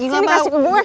sini kasih ke gue